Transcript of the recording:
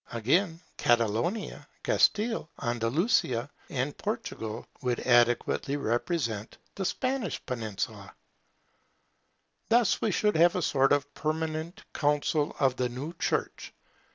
Again, Catalonia, Castille, Andalusia, and Portugal would adequately represent the Spanish Peninsula. Thus we should have a sort of permanent Council of the new Church.